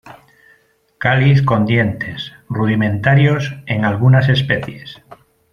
Cáliz con dientes –rudimentarios en algunas especies–.